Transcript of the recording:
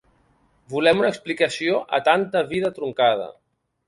Volem una explicació a tanta vida truncada.